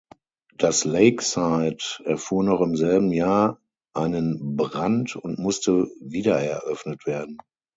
Das Lakeside erfuhr noch im selben Jahr einen Brand und musste wiedereröffnet werden.